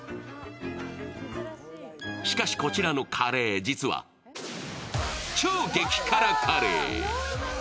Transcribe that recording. しかし、こちらのカレー、実は超激辛カレー。